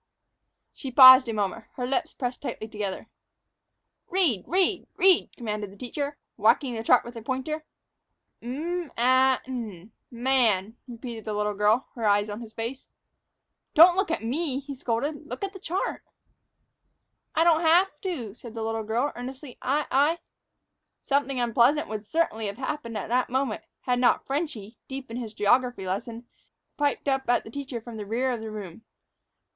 '" She paused a moment, her lips pressed tightly together. "Read, read, read!" commanded the teacher, whacking the chart with a pointer. "'M a n, man,'" repeated the little girl, her eyes on his face. "Don't look at me," he scolded; "look at the chart." "I don't haf' to," said the little girl, earnestly; "I I " Something unpleasant would certainly have happened at that moment, had not "Frenchy," deep in his geography lesson, piped up at the teacher from the rear of the room.